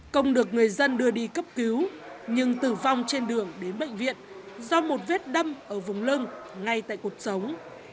công được người dân đưa đi cấp cứu nhưng tử vong trên đường đến bệnh viện do một vết đâm ở vùng lưng ngay tại cuộc sống